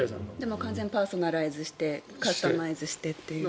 完全にパーソナライズしてカスタマイズしてという。